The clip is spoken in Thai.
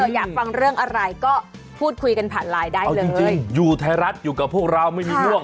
อยากฟังเรื่องอะไรก็พูดคุยกันผ่านไลน์ได้เลยจริงอยู่ไทยรัฐอยู่กับพวกเราไม่มีง่วง